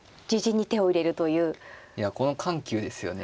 いやこの緩急ですよね。